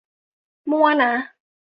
มั่วนะ